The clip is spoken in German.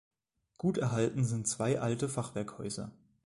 Gut erhalten sind zwei alte Fachwerkhäuser.